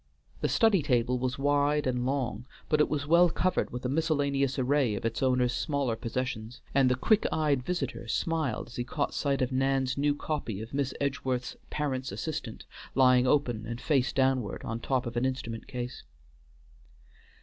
The study table was wide and long, but it was well covered with a miscellaneous array of its owner's smaller possessions, and the quick eyed visitor smiled as he caught sight of Nan's new copy of Miss Edgeworth's "Parent's Assistant" lying open and face downward on the top of an instrument case.